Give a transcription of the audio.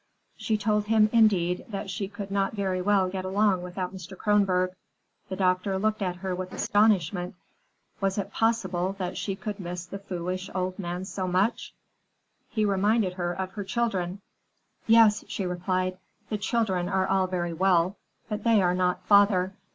She told him, indeed, that she could not very well get along without Mr. Kronborg. The doctor looked at her with astonishment. Was it possible that she could miss the foolish old man so much? He reminded her of her children. "Yes," she replied; "the children are all very well, but they are not father.